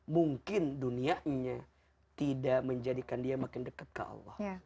mungkin dunianya tidak menjadikan dia makin dekat ke allah